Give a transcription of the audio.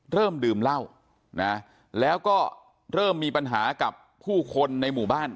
เริ่มดื่มเหล้านะแล้วก็เริ่มมีปัญหากับผู้คนในหมู่บ้าน